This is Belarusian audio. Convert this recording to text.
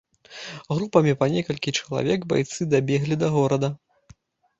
Групамі па некалькі чалавек байцы дабеглі да горада.